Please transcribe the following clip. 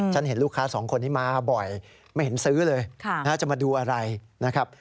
เห็นลูกค้าสองคนนี้มาบ่อยไม่เห็นซื้อเลยจะมาดูอะไรนะครับ